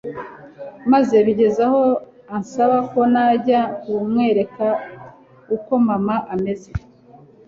maze bigez aho ansaba ko najya kumwereka uko mama amaze